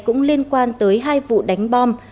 cũng liên quan tới hai vụ đánh bom